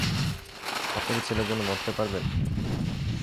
আপনি কি ছেলের জন্য মরতে পারবে?